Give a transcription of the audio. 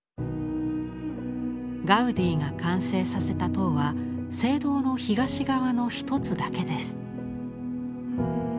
ガウディが完成させた塔は聖堂の東側の一つだけです。